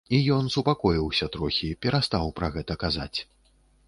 І ён супакоіўся трохі, перастаў пра гэта казаць.